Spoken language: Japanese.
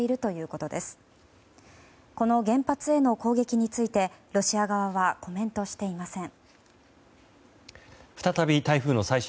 この原発への攻撃についてロシア側はコメントしていません。